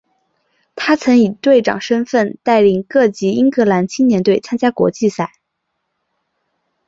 他曾以队长身份带领各级英格兰青年队参加国际赛。